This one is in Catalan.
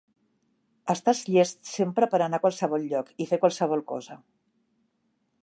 Estàs llest sempre per anar a qualsevol lloc i fer qualsevol cosa.